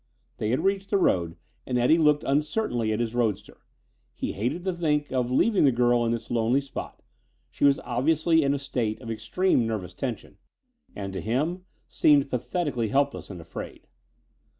They had reached the road and Eddie looked uncertainly at his roadster. He hated to think of leaving the girl in this lonely spot. She was obviously in a state of extreme nervous tension and, to him, seemed pathetically helpless, and afraid.